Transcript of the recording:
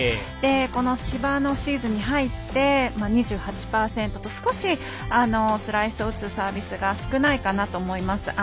この芝のシーズンに入って２８％と少しスライスを打つサービスが少ないかなと思います。